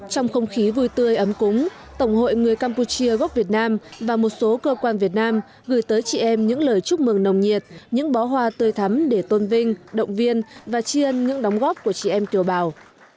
trong không khí vui tươi ấm cúng tổng hội người campuchia gốc việt nam và một số cơ quan việt nam gửi tới chị em những lời chúc mừng nồng nhiệt những bó hoa tươi thắm để tôn vinh động viên và chi ân những đóng góp của chị em kiều bào